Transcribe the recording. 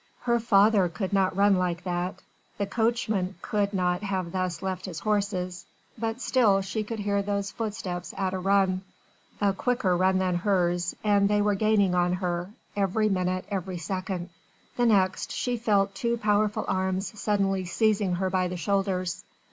Her father could not run like that the coachman could not have thus left his horses but still she could hear those footsteps at a run a quicker run than hers and they were gaining on her every minute, every second. The next, she felt two powerful arms suddenly seizing her by the shoulders.